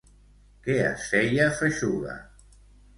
Què es feia feixuga?